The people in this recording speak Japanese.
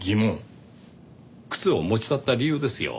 靴を持ち去った理由ですよ。